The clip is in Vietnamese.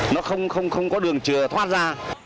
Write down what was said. nó không có đường thoát ra